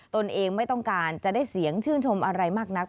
ตนเองไม่ต้องการจะได้เสียงชื่นชมอะไรมากนัก